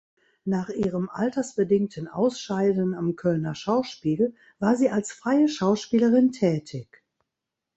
Nach ihrem altersbedingten Ausscheiden am Kölner Schauspiel war sie als freie Schauspielerin tätig.